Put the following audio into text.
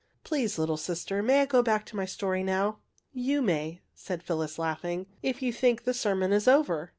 Please, little sister, may I go back to my story now? "^' You may," said Phyllis, laughing, " if you think the sermon is over!